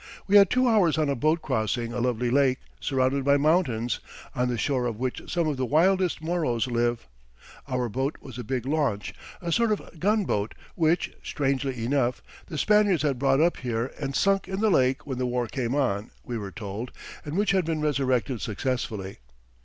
We had two hours on a boat crossing a lovely lake, surrounded by mountains, on the shore of which some of the wildest Moros live. Our boat was a big launch, a sort of gunboat, which, strangely enough, the Spaniards had brought up here and sunk in the lake when the war came on, we were told, and which had been resurrected successfully.